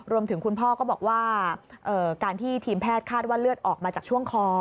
คุณพ่อก็บอกว่าการที่ทีมแพทย์คาดว่าเลือดออกมาจากช่วงคอ